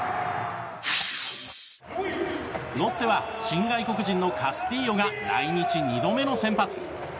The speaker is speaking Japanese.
ロッテは新外国人のカスティーヨが来日２度目の先発。